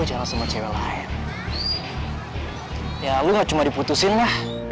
jangan sama cewek lain ya lo cuma diputusin lah